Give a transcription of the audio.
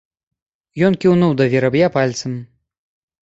Ён кіўнуў да вераб'я пальцам.